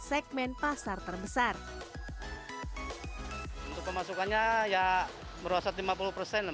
segmen pasar terbesar untuk pemasukannya ya untuk pemasukan yang terbesar ini adalah pasaran yang terbesar untuk pemasukan yang terbesar ini adalah